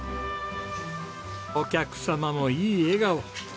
お客様もいい笑顔。